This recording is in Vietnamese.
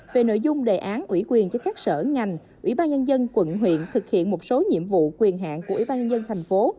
về nội dung đề án ủy quyền cho các sở ngành ubnd quận huyện thực hiện một số nhiệm vụ quyền hạng của ubnd tp